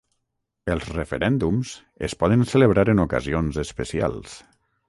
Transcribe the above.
Els referèndums es poden celebrar en ocasions especials.